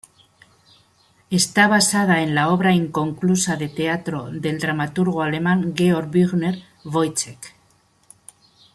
Está basada en la obra inconclusa de teatro del dramaturgo alemán Georg Büchner, "Woyzeck".